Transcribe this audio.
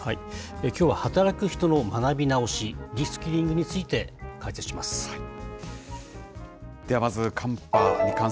きょうは働く人の学び直し、リスキリングについて解説します。